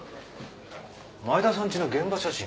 前田さんちの現場写真。